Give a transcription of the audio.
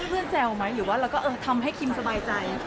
เพื่อนแจ่วไหมหรือว่าทำให้คิมสบายใจ